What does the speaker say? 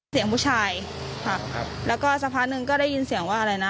เสียงผู้ชายค่ะครับแล้วก็สักพักหนึ่งก็ได้ยินเสียงว่าอะไรนะ